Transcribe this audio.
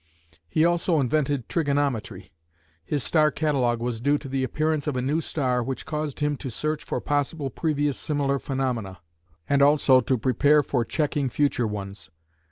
He also invented trigonometry. His star catalogue was due to the appearance of a new star which caused him to search for possible previous similar phenomena, and also to prepare for checking future ones.